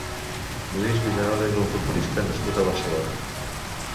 Luis Vidal és un futbolista nascut a Barcelona.